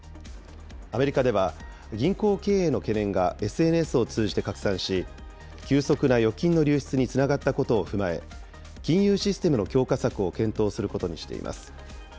アメリカでは銀行経営の懸念がＳＮＳを通じて拡散し、急速な預金の流出につながったことを踏まえ、金融システムの強化策を検討することにしています。